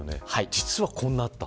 実はこんなあった。